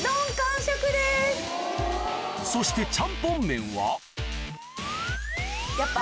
そしてちゃんぽん麺はやっぱ。